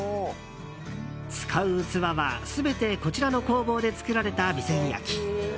使う器は全てこちらの工房で作られた備前焼。